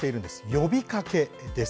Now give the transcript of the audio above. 呼びかけです。